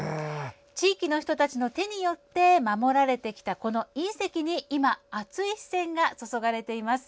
地域の人たちの手によって守られてきたこの隕石に今、熱い視線が注がれています。